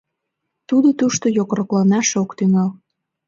Тудо тушто йокрокланаш ок тӱҥал.